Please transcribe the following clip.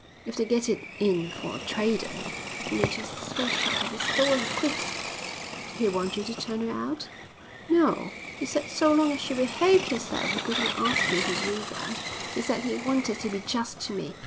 "If they get it in for a trader he may just as well shut up his store and quit." "Did he want you to turn her out?" "No, he said so long as she behaved herself he couldn't ask me to do that. He said he wanted to be just to me.